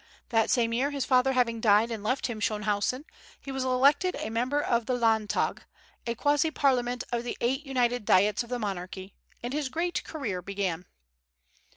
The same year, his father having died and left him Schönhausen, he was elected a member of the Landtag, a quasi parliament of the eight united Diets of the monarchy; and his great career began.